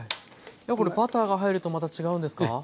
これバターが入るとまた違うんですか？